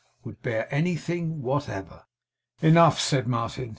would bear anything whatever!' 'Enough,' said Martin.